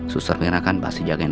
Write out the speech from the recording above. suster mirna kan pasti jagain rena